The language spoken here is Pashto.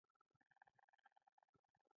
دا ټوکې ټولې جعلي او سیاسي دي